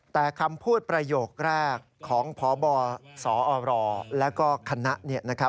แต่คำพูดประโยคแรกของพบสอแล้วก็คณะ